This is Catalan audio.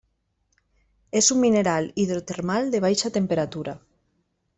És un mineral hidrotermal de baixa temperatura.